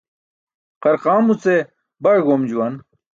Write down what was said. Qarqaamuce baý goom juwan.